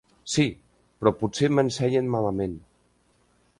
Sí, però potser m'ensenyen malament!